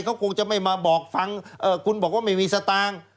เขาคงจะไม่มาบอกฟังคุณบอกว่าไม่มีสตางค์